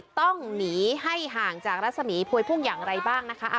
ต้องหนีให้ห่างจากรัศมีพวยพุ่งอย่างไรบ้างนะคะ